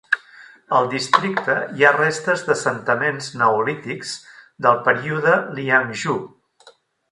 Al districte hi ha restes d'assentaments neolítics del període Liangzhu.